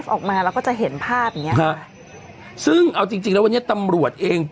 ออกมาเราก็จะเห็นภาพอย่างเงี้ค่ะซึ่งเอาจริงจริงแล้ววันนี้ตำรวจเอง